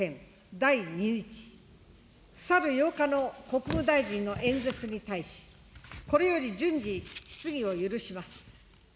第２日、去る８日の国務大臣の演説に対し、これより順次、質疑を許します。